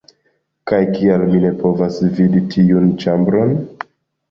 Kaj kial mi ne povas vidi tiun ĉambron?!